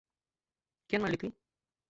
কেন মরলি তুই?